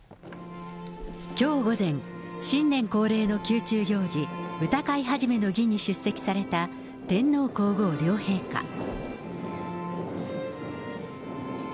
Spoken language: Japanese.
きょう午前、新年恒例の宮中行事、歌会始の儀に出席された天皇皇后両陛下。